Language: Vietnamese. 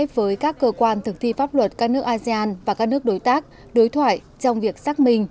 với các cơ quan thực thi pháp luật các nước asean và các nước đối tác đối thoại trong việc xác minh